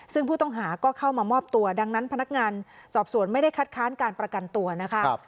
ซึ่งผู้ต้องหาก็เข้ามามอบตัวดังนั้นพนักงานสอบสวนไม่ได้คัดค้านการประกันตัวนะคะ